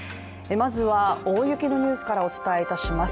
まずは、大雪のニュースからお伝えいたします。